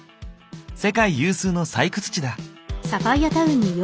世界有数の採掘地だ。